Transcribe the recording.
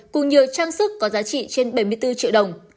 cùng nhiều trang sức có giá trị trên bảy mươi bốn triệu đồng